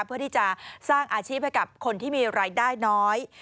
เพื่อที่จะสร้างอาชีพให้กับคนที่มีรายได้น้อย